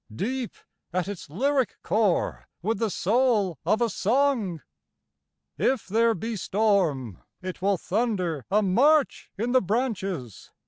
Deep at its lyric core with the soul of a song. If there be storm, it will thunder a march in the branches.